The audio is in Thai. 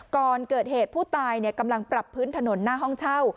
ก่อนเกิดเหตุผู้ตายกำลังปรับพื้นถนนหน้าห้องเช่า